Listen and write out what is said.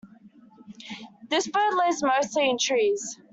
This bird lives mostly in trees.